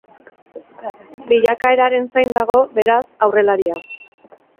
Bilakaeraren zain dago, beraz, aurrelaria.